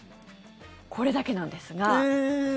これだけなんですが。